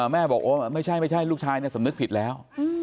แม่บอกไม่ใช่ลูกชายเนี่ยสำนึกผิดแล้ว